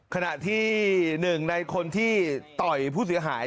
ขณะที่หนึ่งในคนที่ต่อยผู้เสียหาย